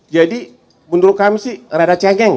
jadi menurut kami sih rada cengeng